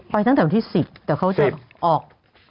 ตั้งแต่วันที่๑๐แต่เขาจะออก